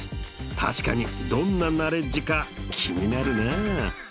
確かにどんなナレッジか気になるなあ！